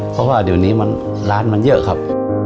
เพราะว่าเดี๋ยวนี้ร้านมันเยอะครับ